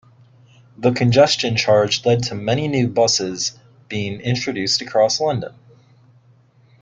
The congestion charge led to many new buses being introduced across London.